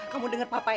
kamu dengar papa ya